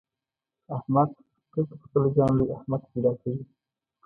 احمق تل تر خپل ځان لوی احمق پیدا کوي.